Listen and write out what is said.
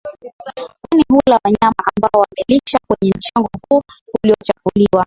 kwani hula wanyama ambao wamelisha kwenye mchanga huu uliochafuliwa